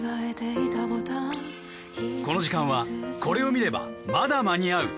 この時間はこれを見ればまだ間に合う！